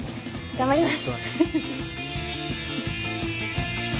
頑張ります。